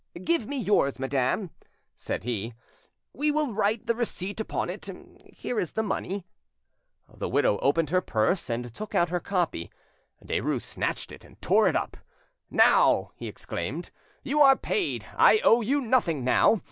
"Give me yours, madame," said he; "we will write the receipt upon it. Here is the money." The widow opened her purse and took out her copy; Derues snatched it, and tore it up. "Now," he exclaimed, "you are paid; I owe you nothing now.